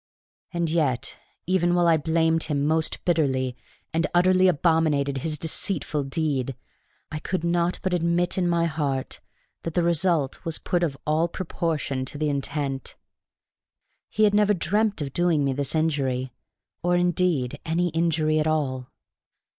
And yet, even while I blamed him most bitterly, and utterly abominated his deceitful deed, I could not but admit in my heart that the result was put of all proportion to the intent: he had never dreamt of doing me this injury, or indeed any injury at all.